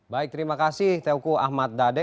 baik terima kasih teoku ahmad dade